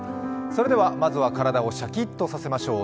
それではまずは体をシャキッとさせましょう。